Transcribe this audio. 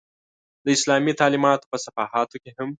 د اسلامي تعلمیاتو په صفحاتو کې هم.